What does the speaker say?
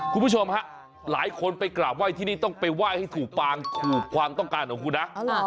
คุณผู้ชมฮะหลายคนไปกราบไห้ที่นี่ต้องไปไหว้ให้ถูกปางถูกความต้องการของคุณนะ